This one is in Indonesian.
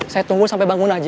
saya tunggu sampai bangun aja